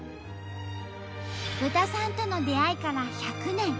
豚さんとの出会いから１００年。